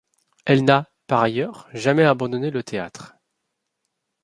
Elle n'a, par ailleurs, jamais abandonné le théâtre.